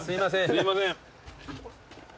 すいません。